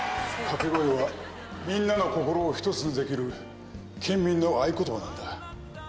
掛け声はみんなの心をひとつにできる県民の合言葉なんだ。